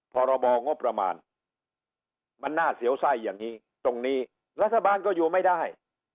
พรบงบประมาณมันน่าเสียวไส้อย่างนี้ตรงนี้รัฐบาลก็อยู่ไม่ได้